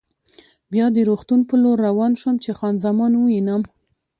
بیا د روغتون په لور روان شوم چې خان زمان ووینم.